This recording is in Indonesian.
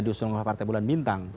diusung oleh partai bulan bintang